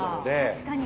確かに。